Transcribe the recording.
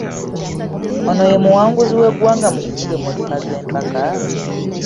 Ono ye muwanguzi w’eggwanga mu kuvuga emmotoka z’empaka ?